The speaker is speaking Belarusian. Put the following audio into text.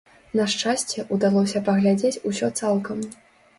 На шчасце, удалося паглядзець усё цалкам.